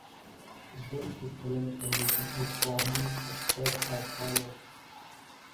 This equivalent condition is formally expressed as follow.